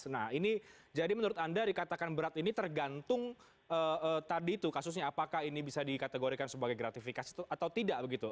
nah ini jadi menurut anda dikatakan berat ini tergantung tadi itu kasusnya apakah ini bisa dikategorikan sebagai gratifikasi atau tidak begitu